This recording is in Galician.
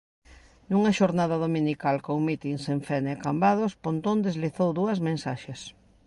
Nunha xornada dominical con mitins en Fene e Cambados, Pontón deslizou dúas mensaxes.